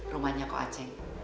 rumahnya kok aceh